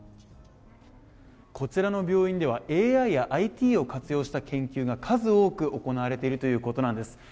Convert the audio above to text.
こちらの病院では、ＡＩやＩＴを活用した研究が数多く行われているということなんです